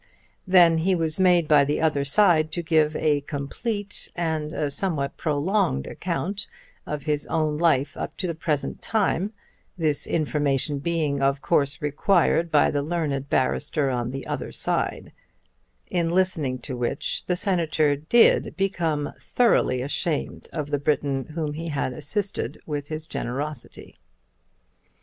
Then he was made by the other side to give a complete and a somewhat prolonged account of his own life up to the present time, this information being of course required by the learned barrister on the other side; in listening to which the Senator did become thoroughly ashamed of the Briton whom he had assisted with his generosity.